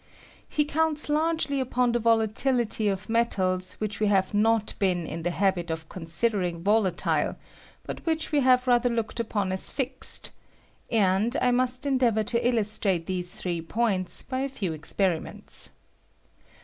He counts largely upon the volatility of metals which we have not been in the habit of considering volatile, but which we have rath ^^ er looked upon as fixed ; and I must endeavor ^^K to illustrate these three points by a few exper ^^H iments.